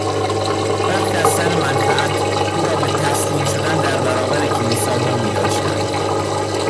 برخی از سر منفعت او را به تسلیم شدن در برابر کلیسا وا میداشتند.